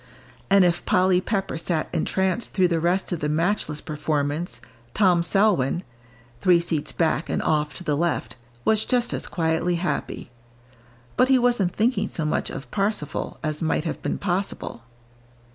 And if Polly Pepper sat entranced through the rest of the matchless performance, Tom Selwyn three seats back and off to the left was just as quietly happy. But he wasn't thinking so much of "Parsifal" as might have been possible.